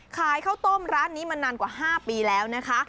ขายข้าวต้มร้านนี้มานานกว่า๕ปีแล้วนะคะ